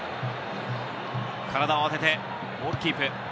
体を当てて、ボールキープ。